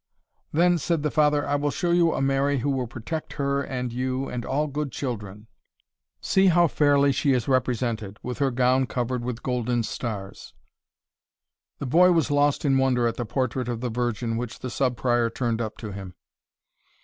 "Then," said the father, "I will show you a Mary, who will protect her and you, and all good children. See how fairly she is represented, with her gown covered with golden stars." The boy was lost in wonder at the portrait of the Virgin, which the Sub Prior turned up to him.